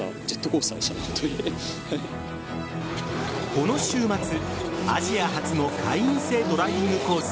この週末、アジア初の会員制ドライビングコース